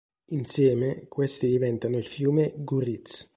Insieme, questi diventano il fiume Gourits.